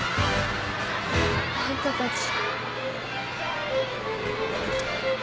あんたたち。